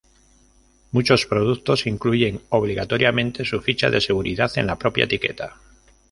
Muchos productos incluyen obligatoriamente su ficha de seguridad en la propia etiqueta.